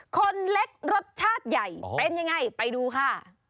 คนเล็กรสชาติใหญ่เป็นยังไงไปดูค่ะ